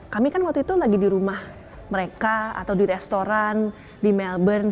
kami kan waktu itu lagi di rumah mereka atau di restoran di melbourne